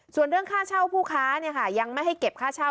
ส่วนเรื่องค่าเช่าผู้ค้ายังไม่ให้เก็บค่าเช่า